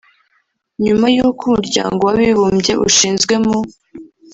nyuma y’uko umuryango w’abibumbye ushinzwe mu